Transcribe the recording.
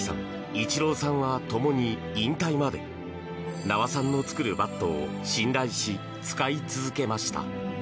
イチローさんは、ともに引退まで名和さんの作るバットを信頼し使い続けました。